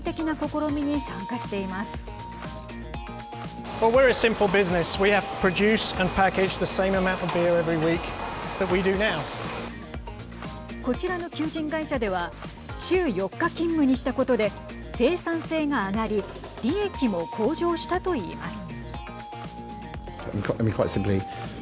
こちらの求人会社では週４日勤務にしたことで生産性が上がり利益も向上したといいます。